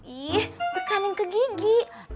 ih tekanin ke gigi